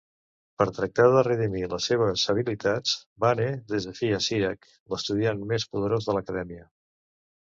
Per tractar de redimir les seves habilitats, Bane desafia Sirak, l'estudiant més poderós de l'Acadèmia.